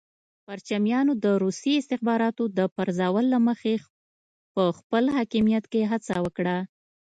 پرچمیانو د روسي استخباراتو د پرپوزل له مخې په خپل حاکمیت کې هڅه وکړه.